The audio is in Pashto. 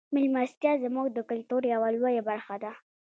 میلمستیا زموږ د کلتور یوه لویه برخه ده.